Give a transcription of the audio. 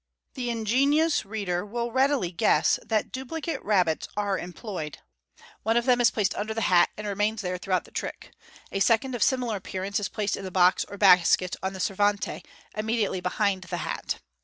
The ingenious reader will readily guess that duplicate rabbits are employed. One of them is placed under the hat, and remains there throughout the trick. A second, of similar appearance, is placed in a box or basket on the servante, immediately behind the hat.